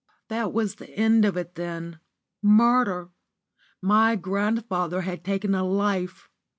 This was the end of it then murder! My grandfather had taken a life.